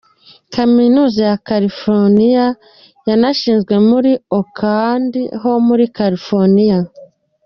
Kaminuza ya California yarashinzwe muri Oakland ho muri California.